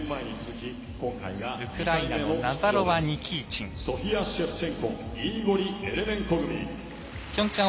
ウクライナのナザロワ、ニキーチン。